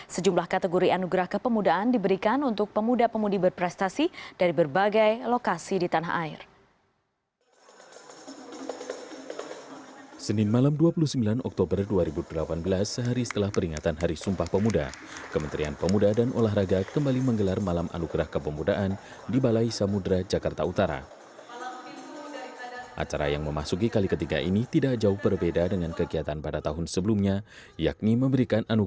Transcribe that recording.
sejumlah kategori anugerah kepemudaan diberikan untuk pemuda pemudi berprestasi dari berbagai lokasi di tanah air